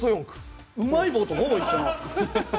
うまい棒とほぼ一緒の。